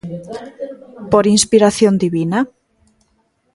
¿Por inspiración divina?